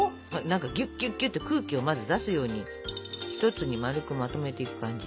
何かぎゅっぎゅっぎゅっと空気をまず出すように一つに丸くまとめていく感じ。